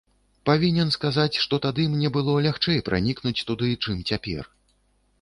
Павінен сказаць, што тады мне было лягчэй пранікнуць туды, чым цяпер.